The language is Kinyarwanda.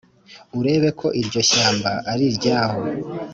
urebe ko iryo shyamba ariryaho